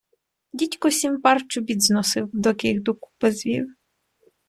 Дідько сім пар чобіт зносив, доки їх докупи звів.